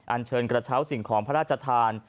อันเชิญกระเช้าสิ่งของพระราชทาน